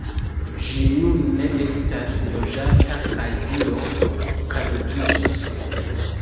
Ĝi nun ne estas loĝata kaj iom kadukiĝis.